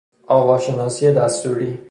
آواشناسی دستوری